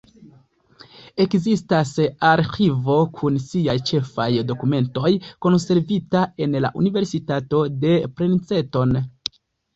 Ekzistas arĥivo kun siaj ĉefaj dokumentoj konservita en la Universitato de Princeton.